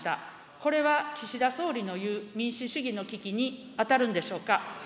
これは岸田総理の言う民主主義の危機に当たるんでしょうか。